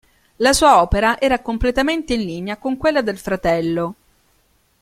La sua opera era completamente in linea con quella del fratello.